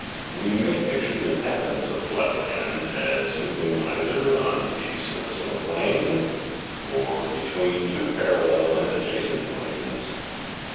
We may picture the inhabitants of flatland as moving either on the surface of a plane or between two parallel and adjacent planes.